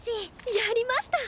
やりました！